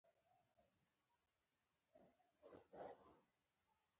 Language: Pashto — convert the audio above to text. په خبرو کې ور ولوېد او ورته ویې وویل.